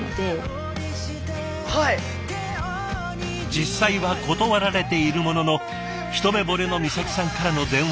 実際は断られているものの一目ボレの美咲さんからの電話。